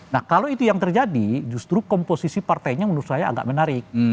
nah kalau itu yang terjadi justru komposisi partainya menurut saya agak menarik